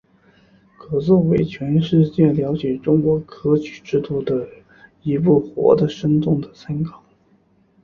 可作为全世界了解中国科举制度的一部活的生动的参考。